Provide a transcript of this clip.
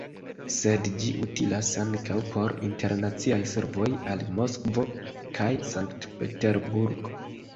Sed ĝi utilas ankaŭ por internaciaj servoj al Moskvo kaj Sankt-Peterburgo.